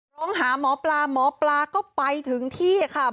ร้องหาหมอปลาหมอปลาก็ไปถึงที่ค่ะ